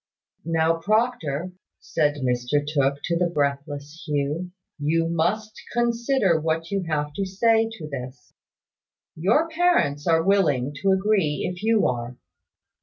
"Now, Proctor," said Mr Tooke to the breathless Hugh, "you must consider what you have to say to this. Your parents are willing to agree if you are.